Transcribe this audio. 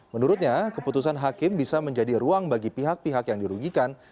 menurutnya keputusan hakim bisa menjadi ruang bagi pihak pihak yang dirugikan